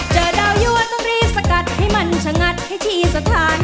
เจอดาวยั่วต้องรีบสกัดให้มันชะงัดให้ทีสถาน